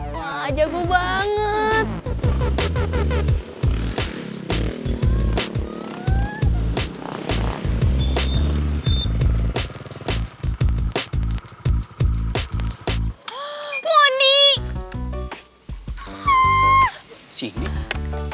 wah jago banget